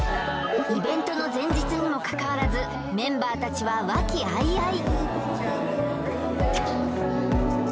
イベントの前日にもかかわらずメンバーたちは和気あいあい